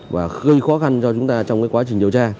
và gây khó khăn cho chúng ta trong cái quá trình điều tra